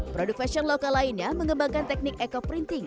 produk fashion lokal lainnya mengembangkan teknik eco printing